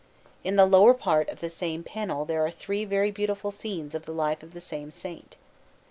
In the lower part of the same panel there are three very beautiful scenes of the life of the same Saint.